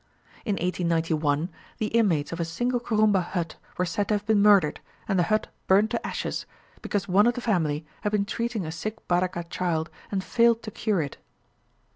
In 1891, the inmates of a single Kurumba hut were said to have been murdered, and the hut burnt to ashes, because one of the family had been treating a sick Badaga child, and failed to cure it.